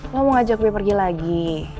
lo mau ngajak gue pergi lagi